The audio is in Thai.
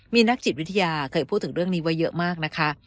มีนักจิตวิทยาเคยพูดถึงเรื่องนี้ไว้เยอะมากนะคะ